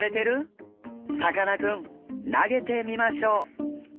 さかなクン投げてみましょう。